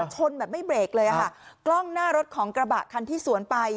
ชนแบบไม่เบรกเลยค่ะกล้องหน้ารถของกระบะคันที่สวนไป